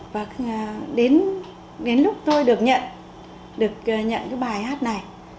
và đến lúc tôi được nhận được nhận cái bài hát này